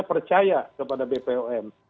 percaya kepada bpom